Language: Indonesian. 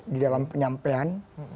di dalam penyampaian